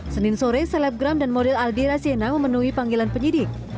senin sore selebgram dan model aldira siena memenuhi panggilan penyidik